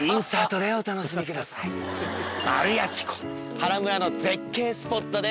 原村の絶景スポットでございます。